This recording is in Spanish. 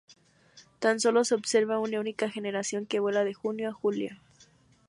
Tan solo se observa una única generación que vuela de junio a julio.